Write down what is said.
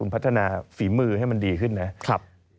พี่มือให้มันดีขึ้นนะ